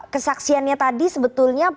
kesaksiannya tadi sebetulnya